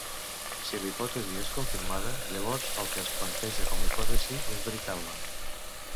Si la hipòtesi és confirmada, llavors el que es planteja com a hipòtesi és veritable.